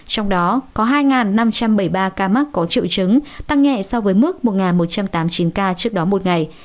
trong đó có hai năm trăm bảy mươi ba ca mắc có triệu chứng tăng nhẹ so với mức một một trăm tám mươi chín ca trước đó một ngày